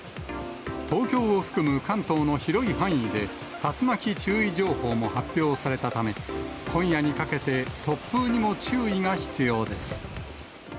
東京を含む関東の広い範囲で、竜巻注意情報も発表されたため、今夜にかけて、突風にも注意が必要です。